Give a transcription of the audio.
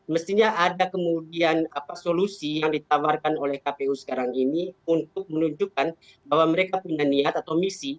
mestinya ada kemudian solusi yang ditawarkan oleh kpu sekarang ini untuk menunjukkan bahwa mereka punya niat atau misi